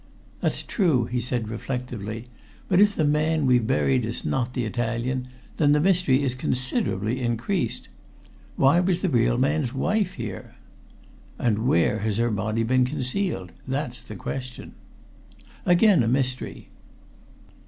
"That's true," he said reflectively. "But if the man we've buried is not the Italian, then the mystery is considerably increased. Why was the real man's wife here?" "And where has her body been concealed? That's the question." "Again a mystery.